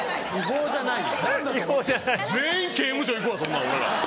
全員刑務所行くわそんなん俺ら。